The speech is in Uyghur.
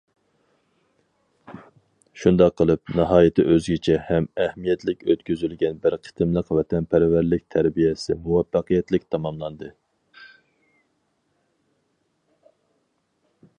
شۇنداق قىلىپ، ناھايىتى ئۆزگىچە ھەم ئەھمىيەتلىك ئۆتكۈزۈلگەن بىر قېتىملىق ۋەتەنپەرۋەرلىك تەربىيەسى مۇۋەپپەقىيەتلىك تاماملاندى.